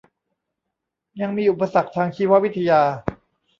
ยังมีอุปสรรคทางชีววิทยา